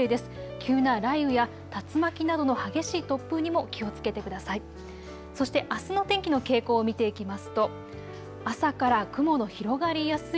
急な雷雨や竜巻などの激しい突風にも気をつけてください。